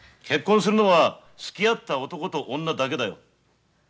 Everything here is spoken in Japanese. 結婚するのは好き合った男と女だけだよ。